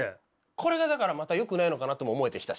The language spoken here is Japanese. これがだからまたよくないのかなとも思えてきたし。